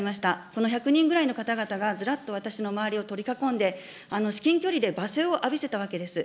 この１００人ぐらいの方々がずらっと私の周りを取り囲んで、至近距離で罵声を浴びせたわけです。